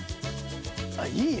あっいいね